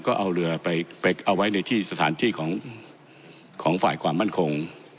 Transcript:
ก็เอาเรือไปเอาไว้ในที่สถานที่ของฝ่ายความมั่นคง